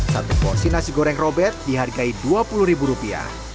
satu porsi nasi goreng robet dihargai dua puluh rupiah